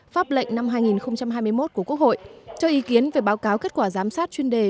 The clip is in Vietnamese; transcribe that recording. pháp lệnh năm hai nghìn hai mươi một của quốc hội cho ý kiến về báo cáo kết quả giám sát chuyên đề